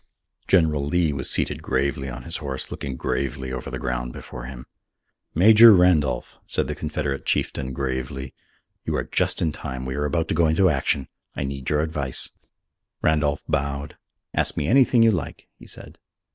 General Lee was seated gravely on his horse, looking gravely over the ground before him. "Major Randolph," said the Confederate chieftain gravely, "you are just in time. We are about to go into action. I need your advice." Randolph bowed. "Ask me anything you like," he said.